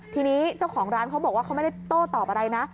ทีนี้เจ้าของร้านเขาบอกว่าเขาไม่ได้โต้ตอบอะไรนะ